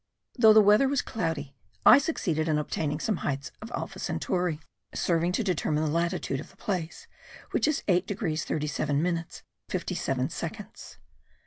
Though the weather was cloudy I succeeded in obtaining some heights of alpha Centauri, serving to determine the latitude of the place; which is 8 degrees 37 minutes 57 seconds.